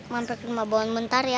mampek rumah bawang bentar ya